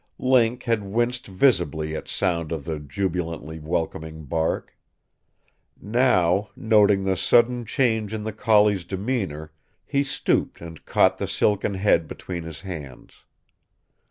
Link had winced visibly at sound of the jubilantly welcoming bark. Now, noting the sudden change in the collie's demeanor, he stooped and caught the silken head between his hands.